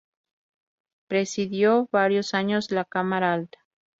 Presidió varios años la Cámara Alta.